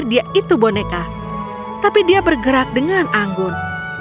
dia itu boneka tapi dia bergerak dengan anggun